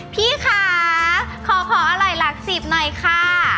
พี่ค้าขอของอร่อยลักษณ์สีบหน่อยค่ะ